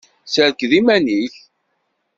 Serked iman-ik.